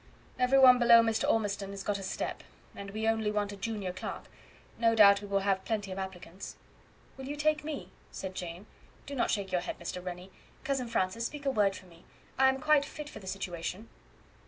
"Every one below Mr. Ormistown has got a step, and we only want a junior clerk. No doubt we will have plenty of applicants." "Will you take me?" said Jane. "Do not shake your head, Mr. Rennie. Cousin Francis, speak a word for me; I am quite fit for the situation."